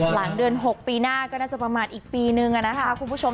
หลังเดือน๖ปีหน้าก็น่าจะประมาณอีกปีนึงนะคะคุณผู้ชม